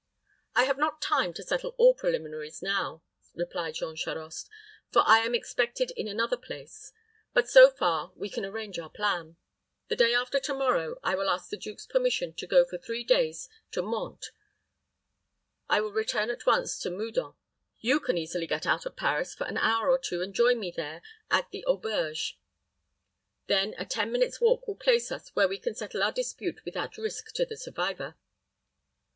"I have not time to settle all preliminaries now," replied Jean Charost; "for I am expected in another place; but so far we can arrange our plan. The day after to morrow I will ask the duke's permission to go for three days to Mantes. I will return at once to Meudon. You can easily get out of Paris for an hour or two, and join me there at the auberge. Then a ten minutes' walk will place us where we can settle our dispute without risk to the survivor."